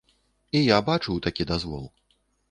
І я бачыў такі дазвол.